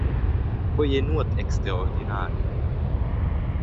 Quei ei nuot extraordinari.